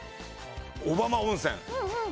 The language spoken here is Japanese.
小浜温泉。